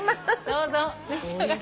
どうぞ召し上がれ。